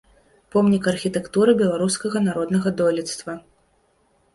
Помнік архітэктуры беларускага народнага дойлідства.